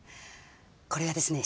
これはですね